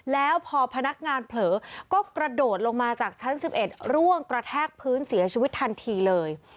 แล้วพอพนักงานเผลอก็กระโดดลงมาจากชั้น๑๑ร่วงกระแทกพื้นเสียชีวิตทันทีเลย